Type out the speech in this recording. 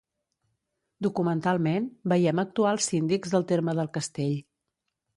Documentalment, veiem actuar els síndics del terme del castell.